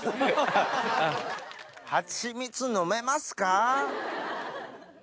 ハチミツ飲めますか？